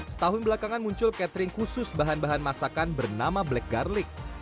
setahun belakangan muncul catering khusus bahan bahan masakan bernama black garlic